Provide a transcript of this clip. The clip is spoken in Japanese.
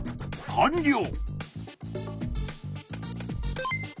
かんりょう！